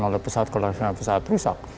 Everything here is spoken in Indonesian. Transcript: oleh pesawat konvensional pesawat rusak